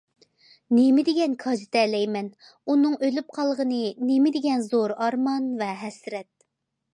نېمىدېگەن كاج تەلەيمەن، ئۇنىڭ ئۆلۈپ قالغىنى نېمىدېگەن زور ئارمان ۋە ھەسرەت.